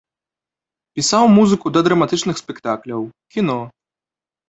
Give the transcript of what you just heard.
Пісаў музыку да драматычных спектакляў, кіно.